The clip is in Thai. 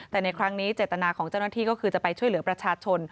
แต่ในครั้งนี้เจตนาของเจ้าหน้าที่ก็คือจะไปช่วยเหลือประชาชน